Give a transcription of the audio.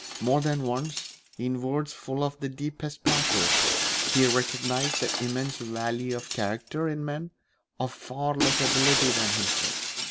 More than once, in words full of the deepest pathos, he recognised the immense value of character in men of far less ability than himself.